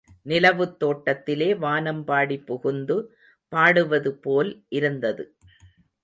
நிலவுத் தோட்டத்திலே வானம்பாடி புகுந்து பாடுவதுபோல் இருந்தது.